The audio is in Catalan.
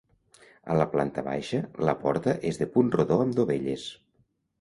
A la planta baixa la porta és de punt rodó amb dovelles.